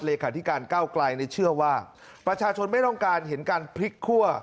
เลขาธิการเก้าไกลเชื่อว่าประชาชนไม่ต้องการเห็นการพลิกคั่ว